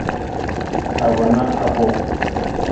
abona aho